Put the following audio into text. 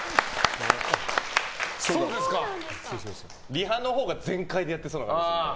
リハのほうが全快でやってそうな感じがする。